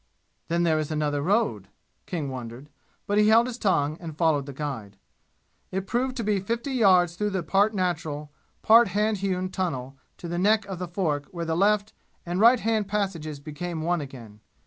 "Then there is another road?" King wondered, but he held his tongue and followed the guide. It proved to be fifty yards through part natural, part hand hewn, tunnel to the neck of the fork where the left and right hand passages became one again.